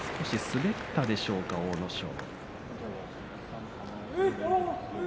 滑ったでしょうか、阿武咲。